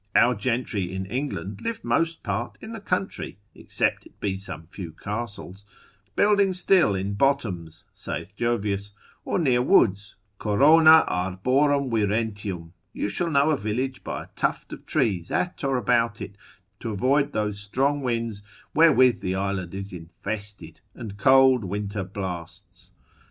Our gentry in England live most part in the country (except it be some few castles) building still in bottoms (saith Jovius) or near woods, corona arborum virentium; you shall know a village by a tuft of trees at or about it, to avoid those strong winds wherewith the island is infested, and cold winter blasts.